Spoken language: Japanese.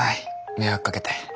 迷惑かけて。